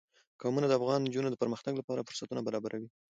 قومونه د افغان نجونو د پرمختګ لپاره فرصتونه برابروي.